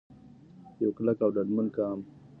یو کلک او ډاډمن ګام.